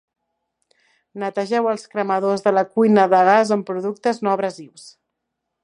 Netegeu els cremadors de la cuina de gas amb productes no abrasius.